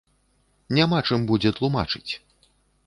Няма чым будзе тлумачыць.